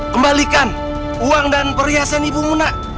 kembalikan uang dan perhiasan ibu munak